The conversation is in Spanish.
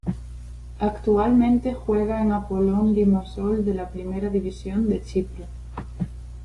Actualmente juega en Apollon Limassol de la Primera División de Chipre.